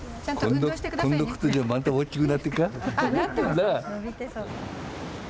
今度来る時はまた大きくなってるか？